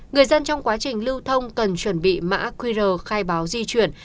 người dân trong quá trình lưu thông cần chuẩn bị mã qr khai báo di chuyển